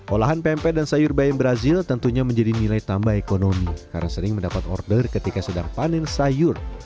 olahan pempek dan sayur bayam brazil tentunya menjadi nilai tambah ekonomi karena sering mendapat order ketika sedang panen sayur